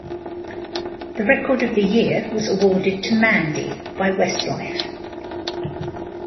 The Record of the Year was awarded to "Mandy" by Westlife.